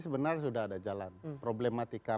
sebenarnya sudah ada jalan problematika